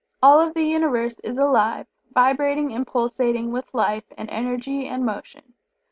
All of the Universe is alive, vibrating and pulsating with life and energy and motion.